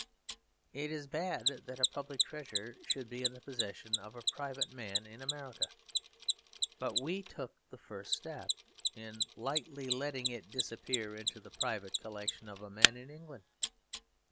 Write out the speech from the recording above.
It is bad that a public treasure should be in the possession of a private man in America, but we took the first step in lightly letting it disappear into the private collection of a man in England.